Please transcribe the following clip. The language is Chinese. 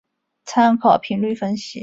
参考频率分析。